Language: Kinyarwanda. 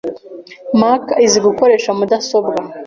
Mac izi gukoresha mudasobwa.